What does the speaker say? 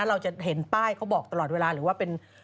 เราจะเห็นป้ายเขาบอกตลอดเวลาหรือว่าเป็น